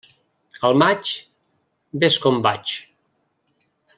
Al maig, vés com vaig.